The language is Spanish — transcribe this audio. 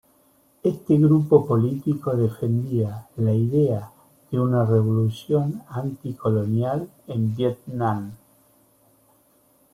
Este grupo político defendía la idea de una revolución anticolonial en Vietnam.